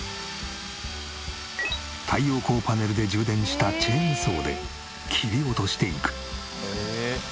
太陽光パネルで充電したチェーンソーで切り落としていく。